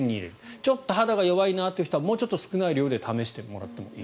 ちょっと肌が弱い人はもうちょっと少ない量で試してもらっていい。